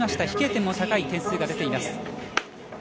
飛型点も高い点数が出ています。